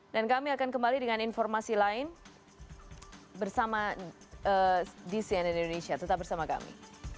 dan kami akan kembali dengan informasi lain bersama di cnn indonesia tetap bersama kami